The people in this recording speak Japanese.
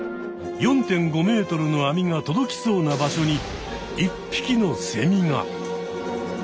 ４．５ｍの網が届きそうな場所に一匹のセミが！